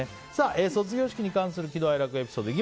卒業式に関する喜怒哀楽エピソード。